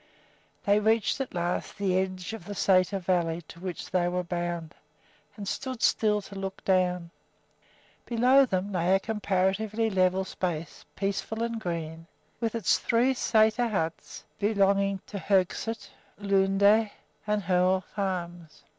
They reached at last the edge of the sæter valley to which they were bound, and stood still to look down. Below them lay a comparatively level space, peaceful and green, with its three sæter huts, belonging to Hoegseth, Lunde, and Hoel farms.